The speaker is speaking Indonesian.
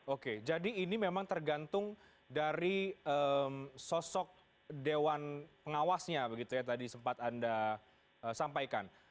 oke jadi ini memang tergantung dari sosok dewan pengawasnya begitu ya tadi sempat anda sampaikan